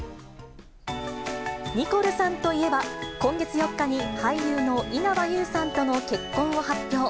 ニコルさんといえば、今月４日に俳優の稲葉友さんとの結婚を発表。